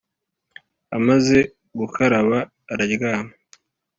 amaze gukaraba araryama